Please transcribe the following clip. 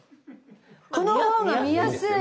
この方が見やすいわ！